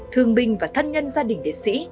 thương binh và thân nhân gia đình liệt sĩ